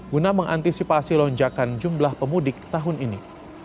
guna mengantisipasi lonjakan jumlah pemudik tahun ini